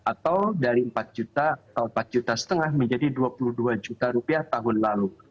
atau dari empat juta atau empat juta setengah menjadi dua puluh dua juta rupiah tahun lalu